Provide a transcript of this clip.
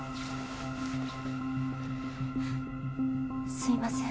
すいません。